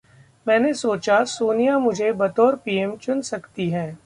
मैंने सोचा, सोनिया मुझे बतौर पीएम चुन सकती हैं